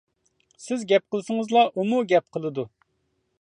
سىز گەپ قىلسىڭىزلا ئۇمۇ گەپ قىلىدۇ.